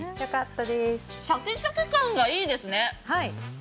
シャキシャキ感がいいですね。